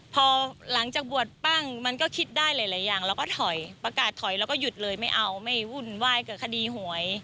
พอหลังจากบวชปั้งมันก็คิดได้หลายอย่างเราก็ถอยประกาศถอยแล้วก็หยุดเลยไม่เอาไม่วุ่นวายเกิดคดีหวย